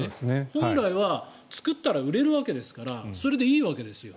本来は作ったら売れるわけですからそれでいいわけですよ。